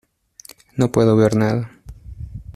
No puedo ver nada.